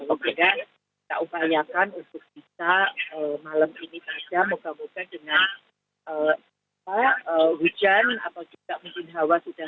oke dan kita upayakan untuk bisa malam ini saja moga moga dengan tiba hujan atau juga mungkin hawa sudah semakin dingin